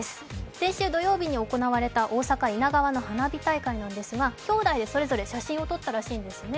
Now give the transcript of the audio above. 先週土曜日に行われた大阪・猪名川の花火なんですが、きょうだいでそれぞれ写真を撮ったらしいんですね。